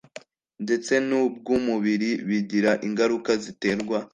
ndetse nubwumubiri bigira ingaruka ziterwa